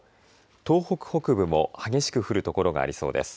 東北北部も激しく降る所がありそうです。